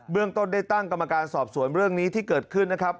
เรื่องต้นได้ตั้งกรรมการสอบสวนเรื่องนี้ที่เกิดขึ้นนะครับ